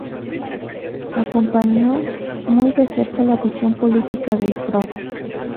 Acompañó muy de cerca la visión política del Prof.